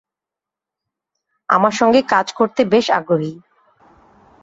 আমার সঙ্গে কাজ করতে বেশ আগ্রহী।